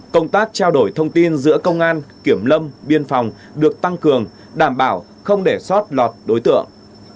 công tác trao đổi thông tin giữa công an kiểm lâm biên phòng được tăng cường đảm bảo không để sót lọt đối tượng